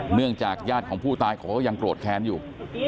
เนื่องจากญาติของผู้ตายเขาก็ยังโกรธแค้นอยู่